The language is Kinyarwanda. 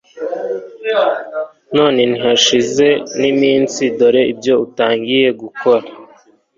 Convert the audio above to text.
none ntihashize n'iminsi dore ibyo utangiye gukora